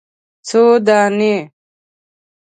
_څو دانې ؟